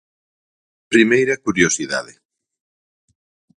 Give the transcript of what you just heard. Primeira curiosidade.